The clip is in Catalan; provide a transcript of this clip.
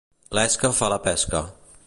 L'esca fa la pesca.